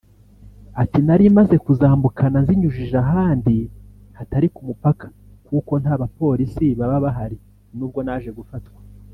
Ati “Nari maze kuzambukana nzinyujije ahandi hatari ku mupaka kuko nta bapolisi baba bahari nubwo naje gufatwa